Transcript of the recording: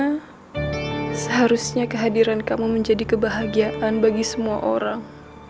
karena seharusnya kehadiran kamu menjadi kebahagiaan bagi semua orang